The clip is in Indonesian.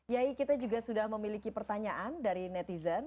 yai kita juga sudah memiliki pertanyaan dari netizen